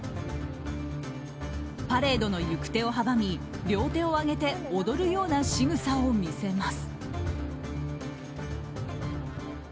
パレードの行く手を阻み両手を上げて踊るようなしぐさを見せます。